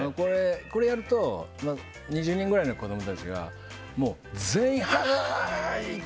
これをやると２０人ぐらいの子供たちがもう、全員はい！